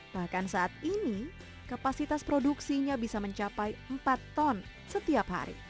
bahkan saat ini kapasitas produksinya bisa mencapai empat ton setiap hari